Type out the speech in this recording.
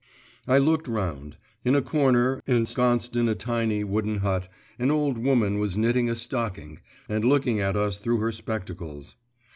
I looked round. In a corner, ensconced in a tiny, wooden hut, an old woman was knitting a stocking, and looking at us through her spectacles.